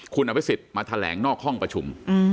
คุณอภิษฎมาแถลงนอกห้องประชุม